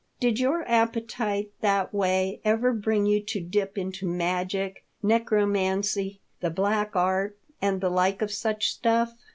Did your appetite that way ever bring you to dip into magic, necromancy, the Black Art, and the like of such stuff